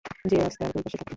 যে রাস্তার ঐ পাশে থাকতো।